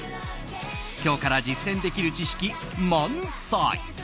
今日から実践できる知識満載。